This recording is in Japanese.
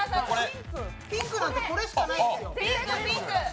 ピンクなんてこれしかないですよ。